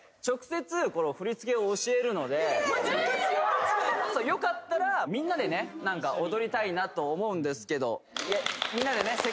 直接振り付けを教えるのでよかったらみんなでね何か踊りたいなと思うんですけどみんなでね